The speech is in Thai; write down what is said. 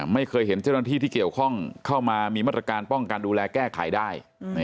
ไม่เคยเห็นเจ้าหน้าที่ที่เกี่ยวข้องเข้ามามีมาตรการป้องกันดูแลแก้ไขได้